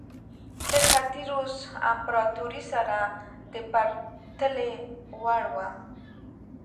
د ختیځ روم امپراتورۍ سره د پرتلې وړ وه.